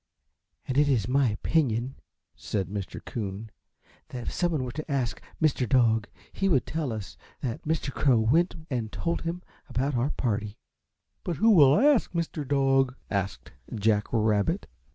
"And it is my opinion," said Mr. Coon, "that if some one were to ask Mr. Dog he would tell us that Mr. Crow went and told him about our party." "But who will ask Mr. Dog?" asked Jack Rabbit.